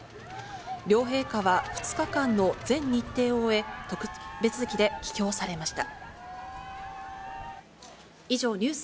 両陛下は２日間の全日程を終え、特別機で帰京されました。